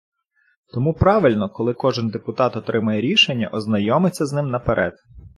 Тому правильно, коли кожен депутат отримає рішення, ознайомиться з ним наперед.